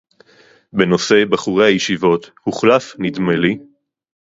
בנושא בחורי הישיבות, הוחלף, נדמה לי